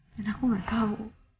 dan aku gak tau